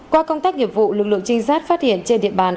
qua công tác nghiệp vụ lực lượng trinh sát phát hiện trên địa bàn